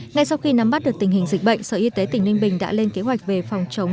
ngay sau khi nắm bắt được tình hình dịch bệnh sở y tế tỉnh ninh bình đã lên kế hoạch về phòng chống